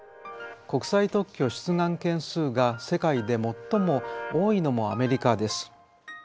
国際特許出願件数が世界で最も多いのもアメリカです。